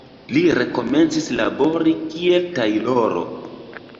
Li rekomencis labori kiel tajloro.